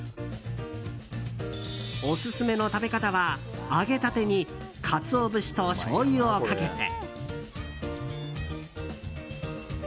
オススメの食べ方は揚げたてにカツオ節としょうゆをかけて。